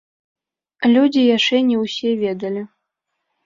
Людзі яшчэ не ўсе ведалі.